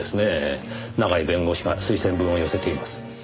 永井弁護士が推薦文を寄せています。